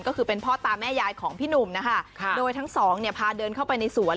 ก็คือเป็นพ่อตาแม่ยายของพี่หนุ่มนะคะโดยทั้งสองเนี่ยพาเดินเข้าไปในสวน